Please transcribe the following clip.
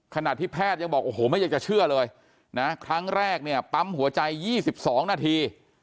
ขณะที่แพทย์ยังบอกโอ้โหไม่อยากจะเชื่อเลยนะครั้งแรกเนี่ยปั๊มหัวใจ๒๒นาที